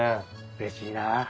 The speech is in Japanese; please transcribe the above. うれしいなあ。